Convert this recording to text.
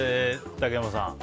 竹山さん。